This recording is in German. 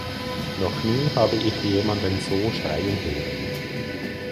Noch nie habe ich jemanden so schreien hören.